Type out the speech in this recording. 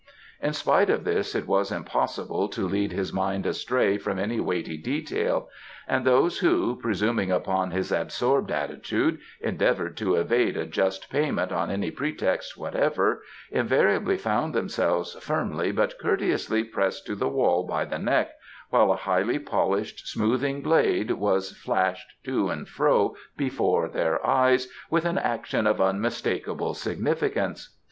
In spite of this it was impossible to lead his mind astray from any weighty detail, and those who, presuming upon his absorbed attitude, endeavoured to evade a just payment on any pretext whatever invariably found themselves firmly but courteously pressed to the wall by the neck, while a highly polished smoothing blade was flashed to and fro before their eyes with an action of unmistakable significance.